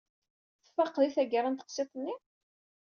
Tfaqeḍ i tagara n teqsiṭ-nni?